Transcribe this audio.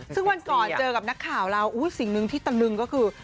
ซึ่งวันก่อนเจอกับนักข่าวเราสิ่งหนึ่งที่ตะลึงก็คือ